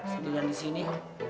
sentuh dia disini